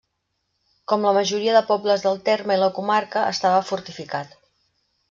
Com la majoria de pobles del terme i la comarca, estava fortificat.